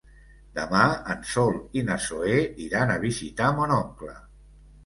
Demà en Sol i na Zoè iran a visitar mon oncle.